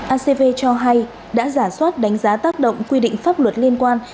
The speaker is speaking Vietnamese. acv cho hay đã giả soát đánh giá tác động quy định pháp luật liên quan